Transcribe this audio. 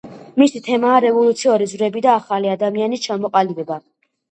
მისი თემაა რევოლუციური ძვრები და ახალი ადამიანის ჩამოყალიბება.